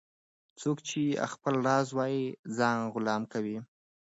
- څوک چي خپل راز وایې ځان غلام کوي.